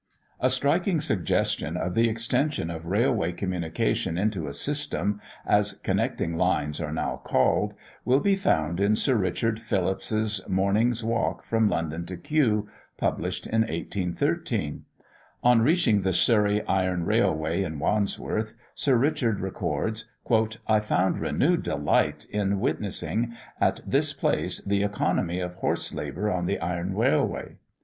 A striking suggestion of the extension of railway communication into a "system," as connecting lines are now called, will be found in Sir Richard Phillips's Morning's Walk from London to Kew, published in 1813. On reaching the Surrey Iron Railway at Wandsworth, Sir Richard records: "I found renewed delight on witnessing, at this place, the economy of horse labour on the Iron Railway.